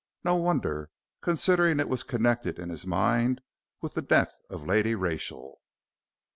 No wonder, considering it was connected in his mind with the death of Lady Rachel."